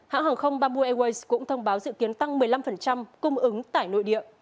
hãng hàng không bamboo airways cũng thông báo dự kiến tăng một mươi năm cung ứng tải nội địa